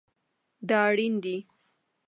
دا اړین دی